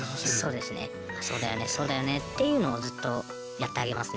そうだよねっていうのをずっとやってあげますね。